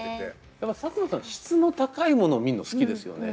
やっぱ佐久間さん質の高いもの見るの好きですよね。